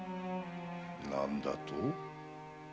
何だと？